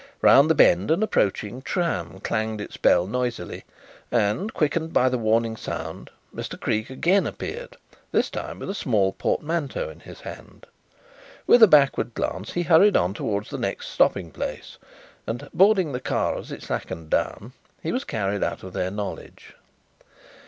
Round the bend an approaching tram clanged its bell noisily, and, quickened by the warning sound, Mr. Creake again appeared, this time with a small portmanteau in his hand. With a backward glance he hurried on towards the next stopping place, and, boarding the car as it slackened down, he was carried out of their knowledge.